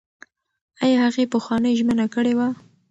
ایا هغې پخوانۍ ژمنه کړې وه؟